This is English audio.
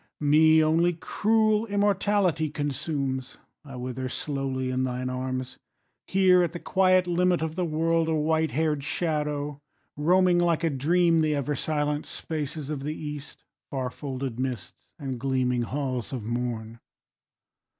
Me only cruel immortality Consumes: I wither slowly in thine arms, Here at the quiet limit of the world, A white hair'd shadow roaming like a dream The ever silent spaces of the East, Far folded mists, and gleaming halls of morn.